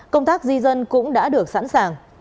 công tác di dân cũng đã được sẵn sàng